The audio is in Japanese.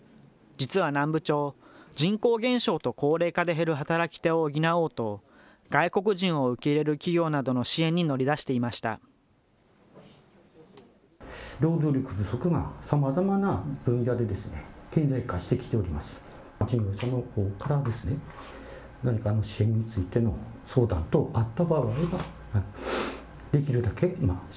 実は南部町、人口減少と高齢化で減る働き手を補おうと、外国人を受け入れる企業などの支援に乗り出していました。